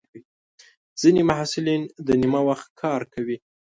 ځینې محصلین د نیمه وخت کار کوي.